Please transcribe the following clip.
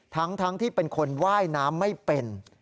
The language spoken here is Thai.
ทั้งที่เป็นคนว่ายน้ำไม่เป็น